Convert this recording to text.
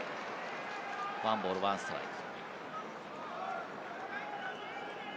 １ボール１ストライク。